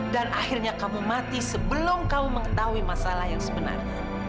dan akhirnya kamu mati sebelum kamu mengetahui masalah yang sebenarnya